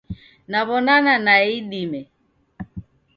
Naw'onana nae idime.